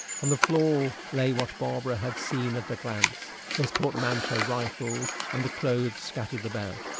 On the floor lay what Barbara had seen at a glance his portmanteau rifled and the clothes scattered about.